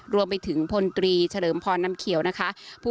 รวมไปถึงพลตรีเฉลิมพรน้ำเขียวนะคะ